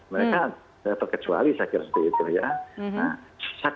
mereka terkecuali saya kira seperti itu ya